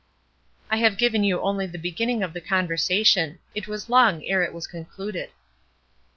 I have given you only the beginning of the conversation. It was long ere it was concluded.